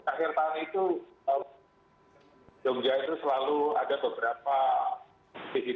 akhir tahun itu jogja itu selalu ada beberapa titik